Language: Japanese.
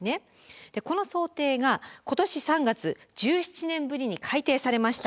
この想定が今年３月１７年ぶりに改定されました。